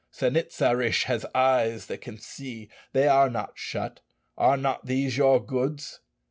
San it sa rish has eyes that can see; they are not shut. Are not these your goods?"